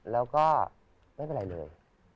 แล้วก็ไม่เป็นไรเลย